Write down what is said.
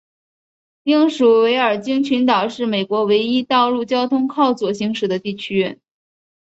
美属维尔京群岛是美国唯一道路交通靠左行驶的地区。